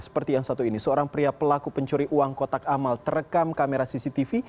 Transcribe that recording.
seperti yang satu ini seorang pria pelaku pencuri uang kotak amal terekam kamera cctv